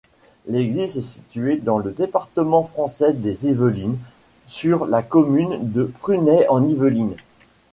L'église est située dans le département français des Yvelines, sur la commune de Prunay-en-Yvelines.